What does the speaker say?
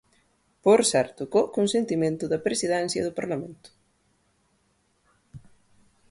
Por certo, co consentimento da presidencia do Parlamento.